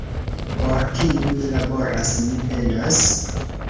Por kiu mi laboras, mi penas?